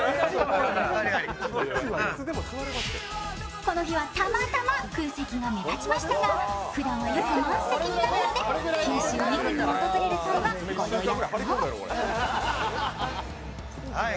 この日はたまたま空席が目立ちましたが、ふだんはよく満席になるので九州みくにを訪れる際にはご予約を。